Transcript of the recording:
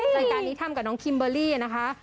รายการนี้ทำกับน้องคิมเบอร์รี่นะคะ